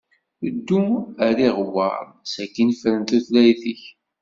Ddu ar iɣewwaṛn sakin fren tutlayt-ik.